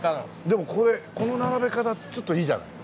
でもこれこの並べ方ってちょっといいじゃない。